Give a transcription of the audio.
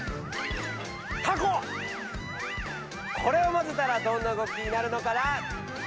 これをまぜたらどんな動きになるのかな？